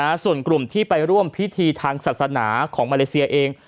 ส่วนกลุ่มที่ไปร่วมพิธีทางศาสนาของมาเลเซียเอง